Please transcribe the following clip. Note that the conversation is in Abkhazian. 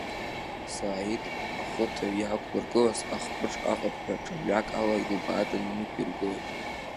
Сааид ахәыҭаҩ иаақәлыргылаз ахпыҿ аҟыԥҳәа ҿамҩак ала илбааданы инықәиргылеит.